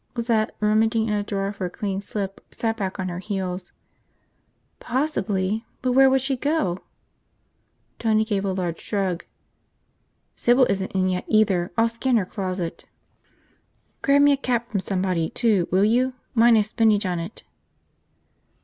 Lizette, rummaging in a drawer for a clean slip, sat back on her heels. "Possibly. But where would she go?" Tony gave a large shrug. "Sybil isn't in yet, either. I'll scan her closet." "Grab me a cap from somebody, too, will you? Mine has spinach on it."